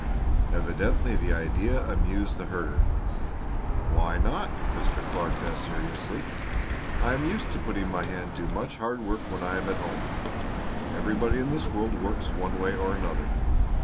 Evidently the idea amused the herder. "Why not?" Mr. Clark asked seriously. "I am used to putting my hand to much hard work when I am at home. Everybody in this world works one way or another.